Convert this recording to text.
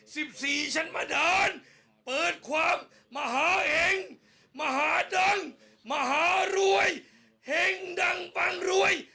สิบสี่ชั้นมาดาลเปิดความมหาเห็งมหาดังมหารวยเฮงดังปังรวย